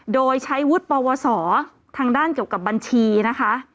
โดยใช้วุฒิปวสอทางด้านเกี่ยวกับบัญชีนะคะ